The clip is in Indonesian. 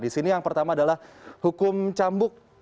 di sini yang pertama adalah hukum cambuk